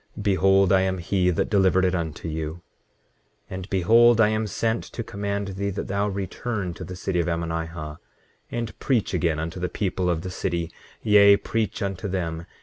Behold, I am he that delivered it unto you. 8:16 And behold, I am sent to command thee that thou return to the city of Ammonihah, and preach again unto the people of the city; yea, preach unto them.